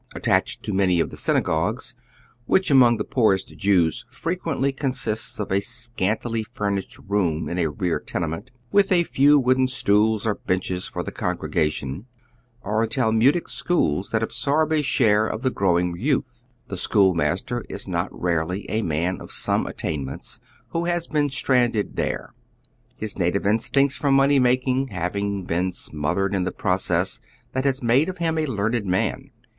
Attached to manj of the synagogues, which among the poorest Jews frequently consist of a scantily furnished room in a rear tenement, with a few wooden stools or benches for the congregation, are Talmudie schools that oy Google JBWTOWN. 113 absorb a share of the growing youth. The school master ia not rarely a man of some attainments who has been stranded there, his native instinct for money making hav iTig been smothered in the process that has made of him a learned man.